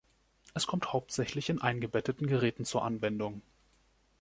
Es kommt hauptsächlich in eingebetteten Geräten zur Anwendung.